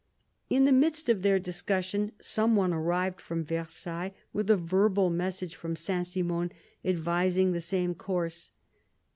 In the midst of their discussion some one arrived from Versailles with a verbal message from Saint Simon, advising the same course.